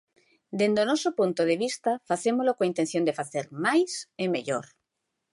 Dende o noso punto de vista, facémolo coa intención de facer máis e mellor.